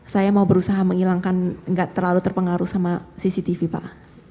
saya mau berusaha menghilangkan nggak terlalu terpengaruh sama cctv pak